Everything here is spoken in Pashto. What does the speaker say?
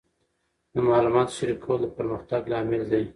د معلوماتو شریکول د پرمختګ لامل دی.